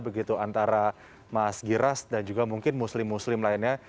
begitu antara mas giras dan juga mungkin muslim muslim lainnya